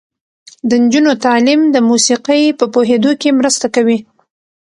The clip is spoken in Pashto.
د نجونو تعلیم د موسیقۍ په پوهیدو کې مرسته کوي.